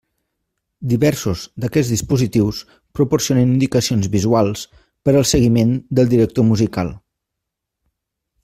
Diversos d'aquests dispositius proporcionen indicacions visuals per al seguiment del director musical.